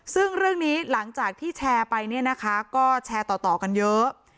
ซึ่งเรื่องนี้หลังจากที่แชร์ไปเนี่ยนะคะก็แชร์ต่อกันเยอะ